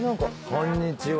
こんにちは。